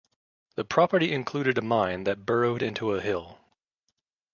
The property included a mine that burrowed into a hill.